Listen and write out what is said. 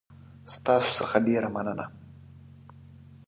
ستاسو څخه ډېره مننه